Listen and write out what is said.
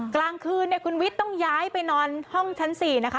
กลางคืนเนี่ยคุณวิทย์ต้องย้ายไปนอนห้องชั้น๔นะคะ